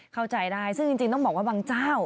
เข้าใจได้ซึ่งจริงต้องบอกว่าบางเจ้า